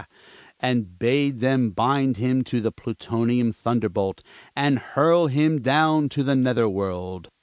and bade them bind him to the Plutonian Thunderbolt and hurl him down to the nether world.